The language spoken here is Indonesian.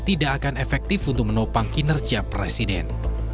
tidak akan efektif untuk menopang kinerja presiden